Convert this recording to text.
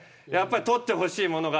取ってほしいものが。